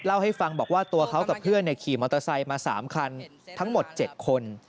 เล่าให้ฟังบอกว่าตัวเขากับเพื่อนขี่มอเตอร์ไซค์มา๓คันทั้งหมด๗คน